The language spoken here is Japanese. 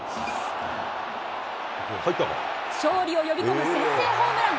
勝利を呼び込む先制ホームラン。